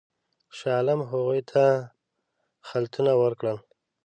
شاه عالم هغوی ته خلعتونه ورکړل.